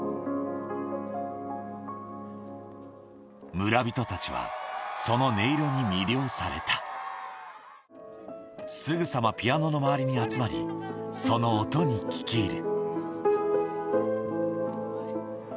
村人たちはその音色に魅了されたすぐさまピアノの周りに集まりその音に聞き入る